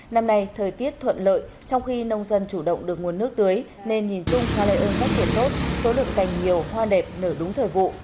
năm nay thời tiết thuận lợi trong khi nông dân chủ động được nguồn nước tưới nên nhìn chung hoa lây ơn phát triển tốt số lượng cành nhiều hoa đẹp nở đúng thời vụ